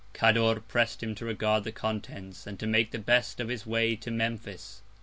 Cador press'd him to regard the Contents, and to make the best of his Way to Memphis.